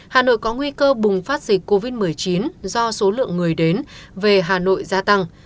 hà nội có nguy cơ bùng phát dịch covid một mươi chín do số lượng người đến về hà nội gia tăng